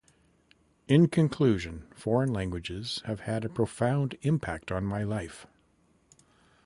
In conclusion, foreign languages have had a profound impact on my life.